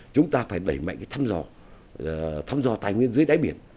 chúng ta phải đẩy mạnh cái thăm dò thăm dò tài nguyên dưới đáy biển